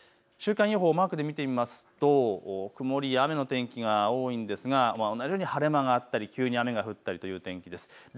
週間予報をマークで見てみると曇りや雨の天気が多いですが同じように晴れ間があったり急に雨が降ったりというような天気です。